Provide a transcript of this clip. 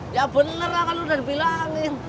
ya bener lah kan lu udah dibilangin